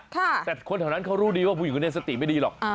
แต่คนแถวนั้นเขารู้ดีว่าผู้หญิงคนนี้สติไม่ดีหรอก